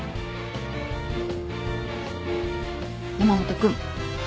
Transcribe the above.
山本君。